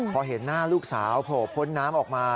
พอเห็นหน้าลูกสาวโผล่พ้นน้ำออกมา